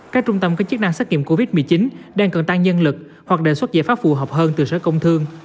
các trung tâm có chức năng xét nghiệm covid một mươi chín đang cần tăng nhân lực hoặc đề xuất giải pháp phù hợp hơn từ sở công thương